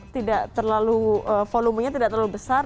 tidak terlalu volumenya tidak terlalu besar